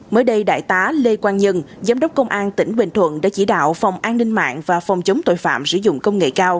mới đây đại tá lê quang nhân giám đốc công an tỉnh bình thuận đã chỉ đạo phòng an ninh mạng và phòng chống tội phạm sử dụng công nghệ cao